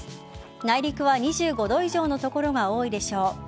内陸は２５度以上の所が多いでしょう。